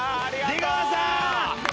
出川さん。